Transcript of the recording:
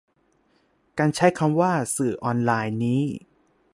การใช้คำว่า "สื่อออนไลน์" นี้